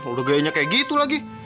udah gayanya kayak gitu lagi